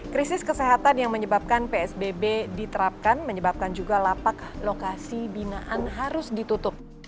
krisis kesehatan yang menyebabkan psbb diterapkan menyebabkan juga lapak lokasi binaan harus ditutup